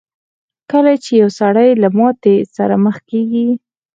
کله چې يو سړی له ماتې سره مخ کېږي.